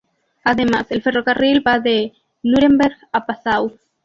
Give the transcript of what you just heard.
Además el ferrocarril va de Núremberg a Passau.